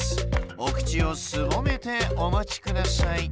おくちをすぼめておまちください。